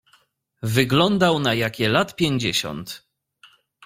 "Wyglądał na jakie lat pięćdziesiąt."